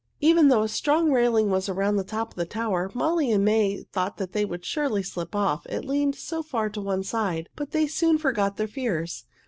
Even though a strong railing was around the top of the tower, Molly and May thought they would surely slip off, it leaned so far to one side. But they soon forgot their fears.